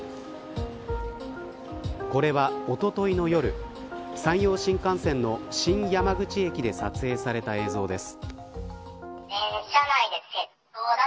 これは、おとといの夜山陽新幹線の新山口駅で撮影された映像です。